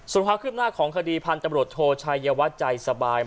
ส่วนความคืบหน้าของคดีพันธุ์ตำรวจโทชัยวัดใจสบาย